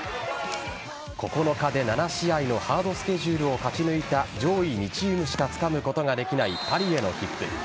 ９日で７試合のハードスケジュールを勝ち抜いた上位２チームしかつかむことができないパリへの切符。